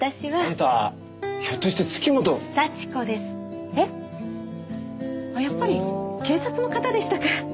あっやっぱり警察の方でしたか。